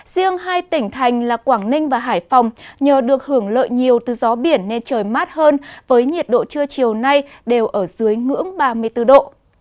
riêng hai tỉnh thành là quảng ninh và hải phòng nhờ được hưởng lợi nhiều từ gió biển nên trời mát hơn với nhiệt độ trưa chiều nay đều ở dưới ngưỡng ba mươi bốn độ